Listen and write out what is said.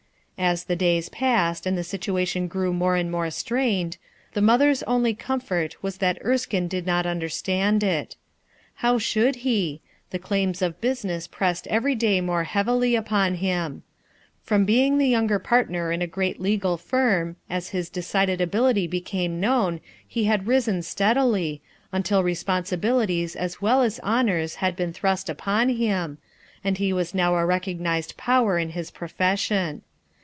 As the days passed and the situation grew more and more strained, the mother's only comfort was that Erskine did not understand it. How should he ? The claims of business pressed every day more heavily upon him. From being the younger partner in a great legal firm, as his decided ability became known, he had risen steadily, until responsibilities as well as honors had been thrust upon him, and he was now a recognized power in his profession.